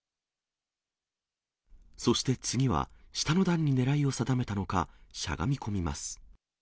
そして次は、下の段にねらいを定めたのか、しゃがみ込みます。